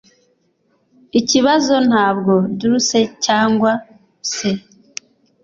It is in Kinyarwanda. Ikibazo ntabwo Dulce cyangwa se.